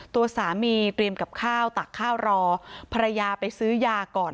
ตัวสามีเตรียมกับข้าวตักข้าวรอภรรยาไปซื้อยาก่อน